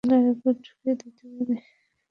আপনি চাইলে আবার ঢুকিয়ে দিতে পারি।